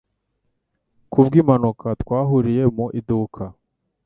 Ku bw'impanuka twahuriye mu iduka.